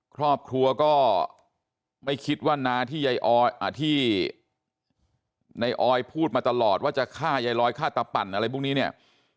ครอบครัวก็ไม่คิดว่าน้าที่ยายที่ในออยพูดมาตลอดว่าจะฆ่ายายลอยฆ่าตะปั่นอะไรพวกนี้เนี่ย